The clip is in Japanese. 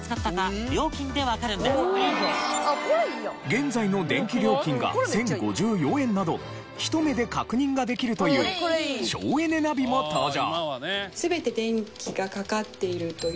現在の電気料金が１０５４円など一目で確認ができるという省エネナビも登場。